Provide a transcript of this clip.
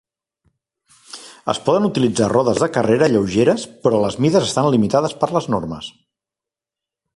Es poden utilitzar rodes de carrera lleugeres, però les mides estan limitades per les normes.